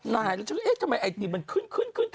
นายทำไมไอร์จิ้มมันขึ้น